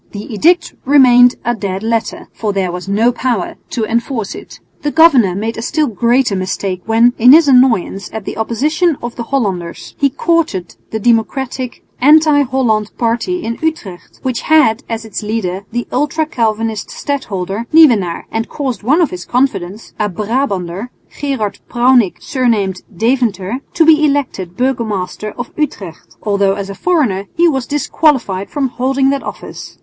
The edict remained a dead letter, for there was no power to enforce it. The governor made a still greater mistake when, in his annoyance at the opposition of the Hollanders, he courted the democratic anti Holland party in Utrecht, which had as its leader the ultra Calvinist stadholder, Nieuwenaar, and caused one of his confidants, a Brabanter, Gerard Prounick, surnamed Deventer, to be elected burgomaster of Utrecht, although as a foreigner he was disqualified from holding that office.